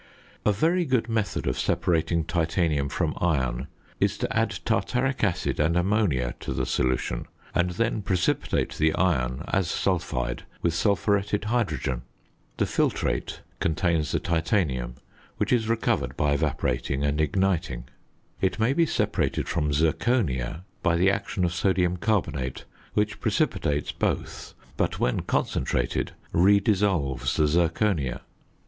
A very good method of separating titanium from iron is to add tartaric acid and ammonia to the solution, and then precipitate the iron (as sulphide) with sulphuretted hydrogen. The filtrate contains the titanium, which is recovered by evaporating and igniting. It may be separated from zirconia by the action of sodium carbonate, which precipitates both; but when concentrated, redissolves the zirconia.